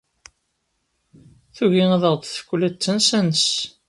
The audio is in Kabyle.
Tugi ad aɣ-d-tefk ula d tansa-nnes.